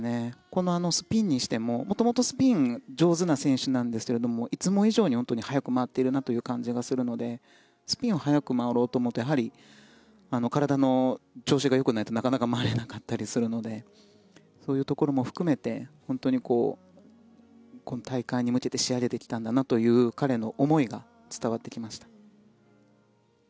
このスピンにしても元々、スピンが上手な選手なんですがいつも以上に速く回っているなという感じがするのでスピンを速く回ろうと思うと体の調子がよくないとなかなか回れなかったりするのでそういうところも含めて本当にこの大会に向けて仕上げてきたんだなという彼の思いが伝わってきました。